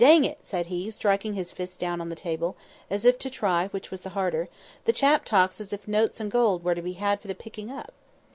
"Dang it!" said he, striking his fist down on the table, as if to try which was the harder, "the chap talks as if notes and gold were to be had for the picking up."